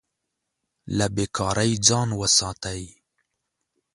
له بې کارۍ ځان وساتئ.